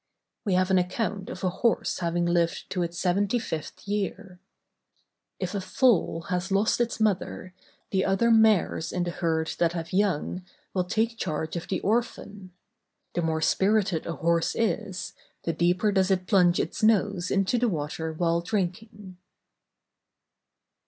We have an account of a horse having lived to its seventy fifth year. If a foal has lost its mother, the other mares in the herd that have young, will take charge of the orphan. The more spirited a horse is, the deeper does it plunge its nose into the water while drinking.